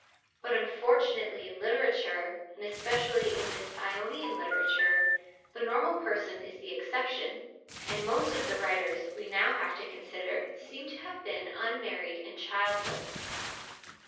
But unfortunately in literature, and especially in this Ionian literature, the normal person is the exception, and most of the writers we now have to consider seem to have been unmarried and childless.